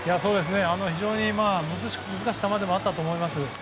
非常に難しい球であったと思います。